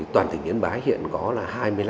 toàn tỉnh yên bái hiện có là hai mươi năm